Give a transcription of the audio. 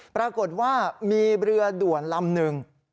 ปรากฏว่ามีเรือด่วนลำหนึ่ง